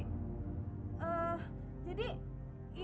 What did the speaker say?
agak terlalu atas kendali susul kita